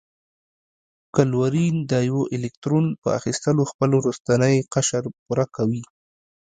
کلورین د یوه الکترون په اخیستلو خپل وروستنی قشر پوره کوي.